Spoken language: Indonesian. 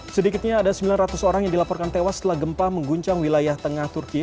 sedikitnya ada sembilan ratus orang yang dilaporkan tewas setelah gempa mengguncang wilayah tengah turki